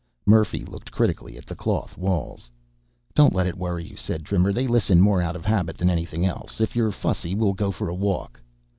Murphy looked critically at the cloth walls. "Don't let it worry you," said Trimmer. "They listen more out of habit than anything else. If you're fussy we'll go for a walk."